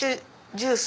ジュース。